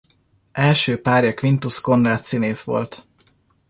Első párja Quintus Konrád színész volt.